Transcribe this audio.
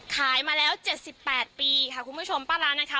ขายมาแล้วเจ็ดสิบแปดปีค่ะคุณผู้ชมปลาลังนะคะ